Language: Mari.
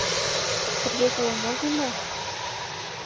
— Сергей толын огыл мо?